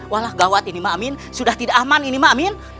walau gawat ini ma amin sudah tidak aman ini ma amin